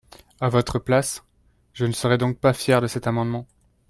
À votre place, je ne serai donc pas fier de cet amendement.